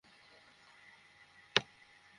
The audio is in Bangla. তুমি আমার সাথে যা করেছ সবটাই ঠিক ছিল।